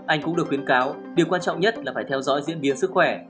anh cũng được khuyến cáo điều quan trọng nhất là phải theo dõi diễn biến sức khỏe